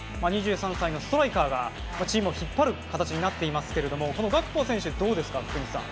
２３歳のストライカーがチームを引っ張る形になっていますがこのガクポ選手はどうですか。